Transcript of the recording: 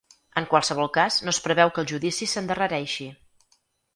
En qualsevol cas, no es preveu que el judici s’endarrereixi.